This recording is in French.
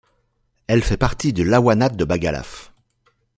Elle fait partie du lawanat de Bagalaf.